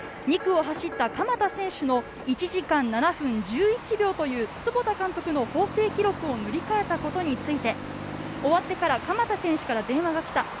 ２区を走った鎌田選手の１時間７分１１秒という坪田監督の法政記録を塗り替えたことについて、終わってから鎌田選手から電話が来た。